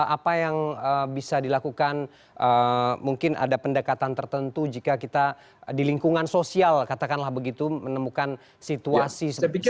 apa yang bisa dilakukan mungkin ada pendekatan tertentu jika kita di lingkungan sosial katakanlah begitu menemukan situasi seperti ini